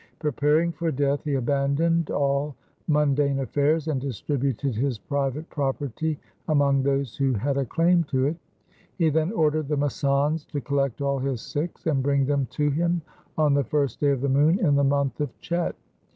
Preparing for death he abandoned all mundane affairs, and distributed his private property among those who had a claim to it. He then ordered the masands to collect all his Sikhs and bring them to him on the first day of the moon in the month of Chet.